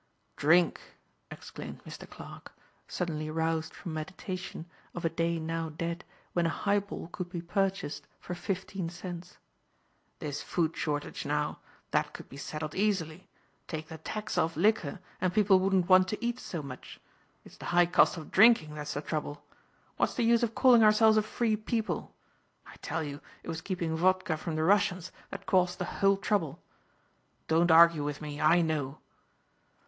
"Drink," exclaimed Mr. Clarke, suddenly roused from meditation of a day now dead when a highball could be purchased for fifteen cents. "This food shortage now. That could be settled easily. Take the tax off liquor and people wouldn't want to eat so much. It's the high cost of drinking that's the trouble. What's the use of calling ourselves a free people? I tell you it was keeping vodka from the Russians that caused the whole trouble. Don't argue with me. I know."